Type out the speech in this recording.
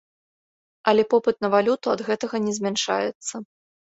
Але попыт на валюту ад гэтага не змяншаецца.